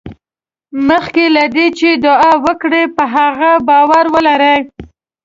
مخکې له دې چې دعا وکړې په هغې باور ولرئ.